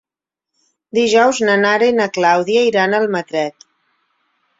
Dijous na Nara i na Clàudia iran a Almatret.